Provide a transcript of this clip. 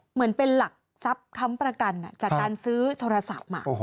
เหมือนเป็นหลักทรัพย์ค้ำประกันจากการซื้อโทรศัพท์